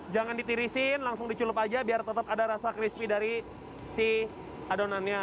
jangan ditirisin langsung diculup aja biar tetap ada rasa crispy dari si adonannya